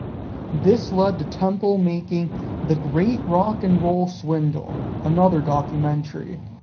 This led to Temple making "The Great Rock And Roll Swindle", another documentary.